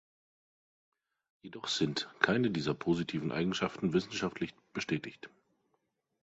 Jedoch sind keine dieser positiven Eigenschaften wissenschaftlich bestätigt.